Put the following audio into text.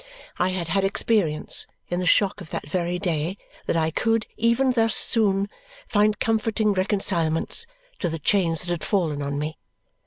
I had had experience, in the shock of that very day, that I could, even thus soon, find comforting reconcilements to the change that had fallen on me.